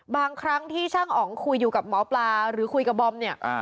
บางครั้งที่ช่างอ๋องคุยอยู่กับหมอปลาหรือคุยกับบอมเนี่ย